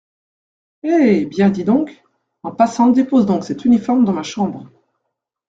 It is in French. Eh ! bien, dis donc, en passant, dépose donc cet uniforme dans ma chambre…